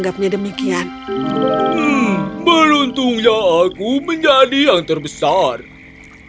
hmm semuanya beruntungnya kubu menjadi ego yang lexi yang di forgeta jadi tepatnya